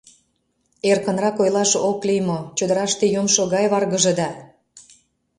Эркынрак ойлаш ок лий мо, чодыраште йомшо гай варгыжыда.